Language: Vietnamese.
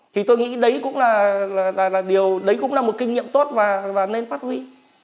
thì tôi nghĩ đấy cũng là điều đấy cũng là một kinh nghiệm tốt và nên phát huy